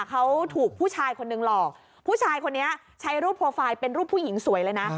เขาถูกผู้ชายคนหนึ่งหลอกผู้ชายคนนี้ใช้รูปโปรไฟล์เป็นรูปผู้หญิงสวยเลยนะ